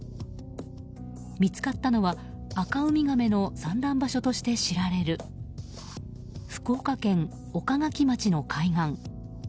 見つかったのは、アカウミガメの産卵場所として知られる福岡県岡垣町の海岸。